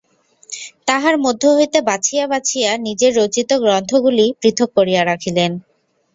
তাহার মধ্য হইতে বাছিয়া বাছিয়া নিজের রচিত গ্রন্থগুলি পৃথক করিয়া রাখিলেন।